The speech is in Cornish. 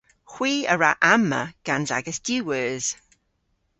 Hwi a wra amma gans agas diwweus.